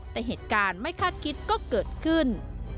แต่เหตุการณ์ไม่คาดคิดก็เกิดขึ้น